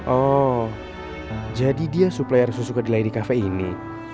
oh jadi dia supplier susu kedai di cafe ini